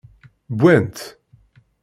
Wwant.